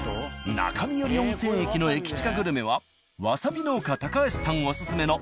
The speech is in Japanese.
中三依温泉駅の駅チカグルメはわさび農家橋さんオススメの。